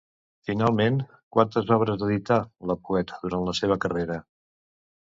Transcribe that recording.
Finalment, quantes obres edità la poeta durant la seva carrera?